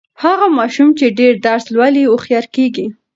هغه ماشوم چې ډېر درس لولي، هوښیار کیږي.